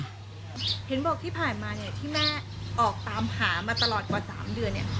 เห็นบอกที่ผ่านมาเนี่ยที่แม่ออกตามหามาตลอดกว่า๓เดือนเนี่ย